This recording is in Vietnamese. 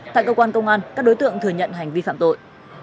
tại cơ quan công an các đối tượng thừa nhận hành vi phạm tội